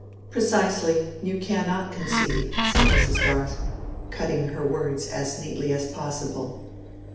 "Precisely; you cannot conceive," said Mrs. Garth, cutting her words as neatly as possible.